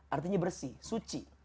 artinya bersih suci